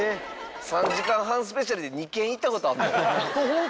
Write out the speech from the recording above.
３時間半スペシャルで２軒行ったことあるの？